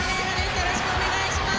よろしくお願いします。